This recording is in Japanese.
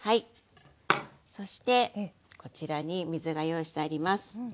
そしてこちらに水が用意してあります。